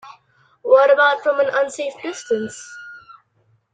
What about from an unsafe distance?